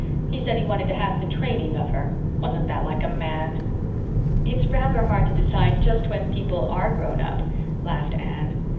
He said he wanted to have the training of her. Wasn't that like a man?" "It's rather hard to decide just when people ARE grown up," laughed Anne.